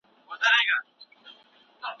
س۔۔۔ د یوه ملک ډکټیټرشپ که په لاس درغی څه به وکړې؟